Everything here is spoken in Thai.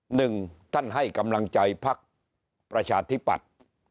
หนึ่งท่านให้กำลังใจพักประชาธิปัตย์